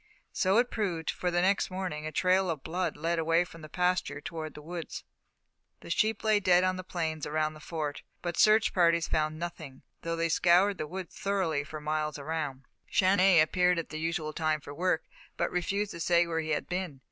So it proved, for the next morning a trail of blood led from the pasture toward the woods. The sheep lay dead on the plains around the Fort, but search parties found nothing, though they scoured the woods thoroughly for miles around. Chandonnais appeared at the usual time for work, but refused to say where he had been.